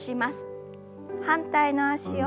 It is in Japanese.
反対の脚を。